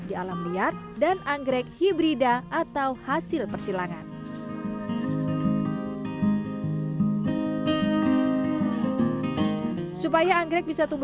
di alam liar dan anggrek hibrida atau hasil persilangan supaya anggrek bisa tumbuh